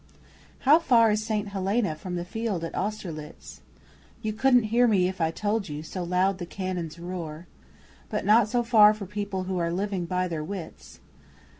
How far is St Helena from the field at Austerlitz? You couldn't hear me if I told so loud the cannons roar. But not so far for people who are living by their wits.